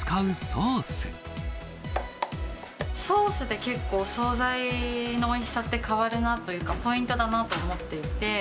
ソースで結構、総菜のおいしさって変わるなっていうか、ポイントだなと思っていて。